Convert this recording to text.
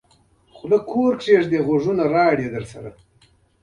پښتانه، مغل او هندکي ټول هوښیار دي.